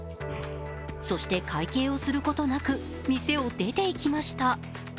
そして、会計をすることなく店を出ていきました。